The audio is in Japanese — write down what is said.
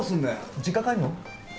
実家帰んの？